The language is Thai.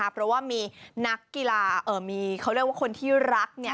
เพราะว่ามีนักกีฬามีเขาเรียกว่าคนที่รัก